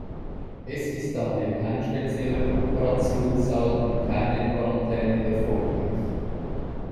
Es ist daher kein spezieller Operationssaal und keine Quarantäne erforderlich.